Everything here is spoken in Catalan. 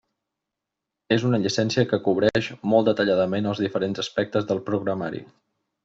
És una llicència que cobreix molt detalladament els diferents aspectes del programari.